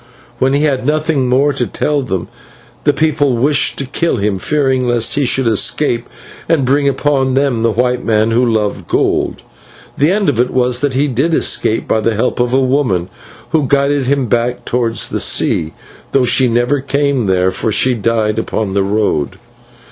When he had nothing more to tell them, the people wished to kill him, fearing lest he should escape and bring upon them the white men who loved gold. The end of it was that he did escape by the help of a woman, who guided him back towards the sea, though she never came there, for she died upon the road.